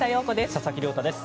佐々木亮太です。